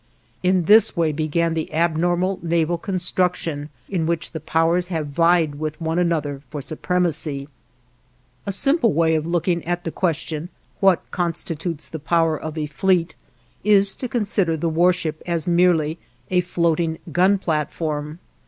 In this way began the abnormal naval construction in which the Powers have vied with one another for supremacy. A simple way of looking at the question, what constitutes the power of a fleet, is to consider the warship as merely a floating gun platform.